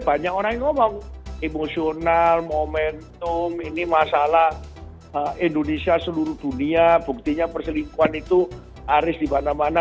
banyak orang yang ngomong emosional momentum ini masalah indonesia seluruh dunia buktinya perselingkuhan itu aris di mana mana